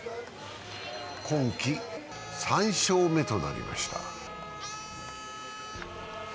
今季３勝目となりました。